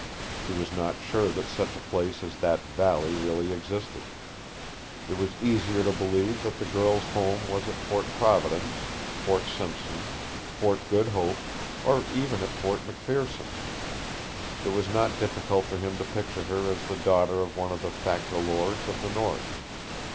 He was not sure that such a place as that valley really existed. It was easier to believe that the girl's home was at Fort Providence, Fort Simpson, Fort Good Hope, or even at Fort McPherson. It was not difficult for him to picture her as the daughter of one of the factor lords of the North.